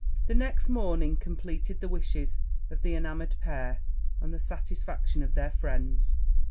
The next morning compleated the wishes of the enamoured pair, and the satisfaction of their friends.